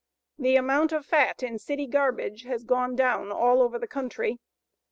The amount of fat in city garbage has gone down all over the country.